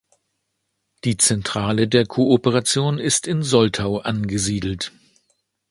Die Zentrale der Kooperation ist in Soltau angesiedelt.